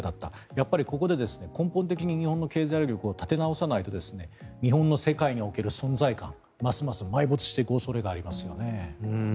やっぱりここで根本的に日本の経済力を立て直さないと日本の世界における存在感がますます埋没していく恐れがありますよね。